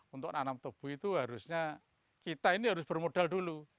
untuk nanam tebu itu harus kita bermodal dulu